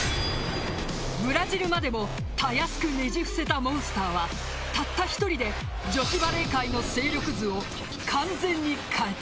ブラジルまでもたやすくねじ伏せたモンスターはたった１人で女子バレー界の勢力図を完全に変えた。